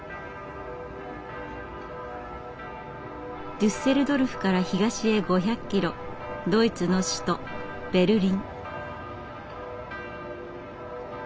デュッセルドルフから東へ５００キロドイツの首都ベルリン。